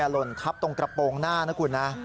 หล่นทับตรงกระโปรงหน้านะคุณนะ